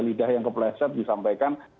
lidah yang kepleset disampaikan